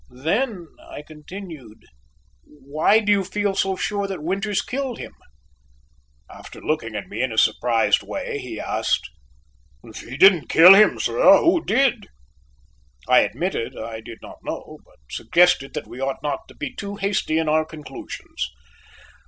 "Then," I continued, "why do you feel so sure that Winters killed him?" After looking at me in a surprised way, he asked: "If he didn't kill him, sir, who did?" I admitted I did not know, but suggested that we ought not to be too hasty in our conclusions.